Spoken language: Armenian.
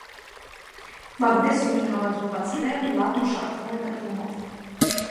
Մագնեզիումի համաձուլվածքներ լավ մշակվում են կտրումով։